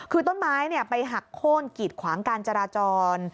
คือต้นไม้ไปหักโค้นกีดขวางการจราจร